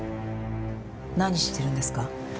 何してるんですか？